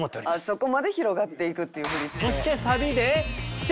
「そこまで広がっていくっていう振り付け」